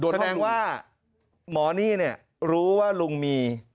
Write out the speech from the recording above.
แสดงว่าหมอนี่รู้ว่าลุงมี